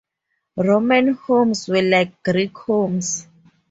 Roman homes were like Greek homes.